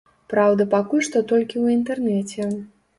Праўда, пакуль што толькі ў інтэрнэце.